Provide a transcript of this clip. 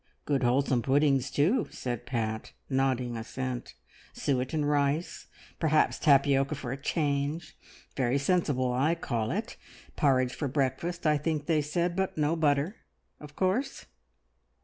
"Good wholesome puddings too!" said Pat, nodding assent. "Suet and rice, and perhaps tapioca for a change! Very sensible, I call it. Porridge for breakfast, I think they said, but no butter, of course?"